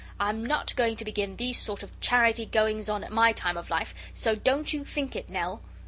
I'm not going to begin these sort of charity goings on at my time of life, so don't you think it, Nell."